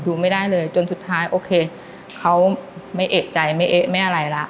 ไม่ได้เลยจนสุดท้ายโอเคเขาไม่เอกใจไม่เอ๊ะไม่อะไรละ